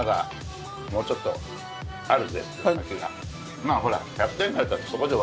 まぁほら。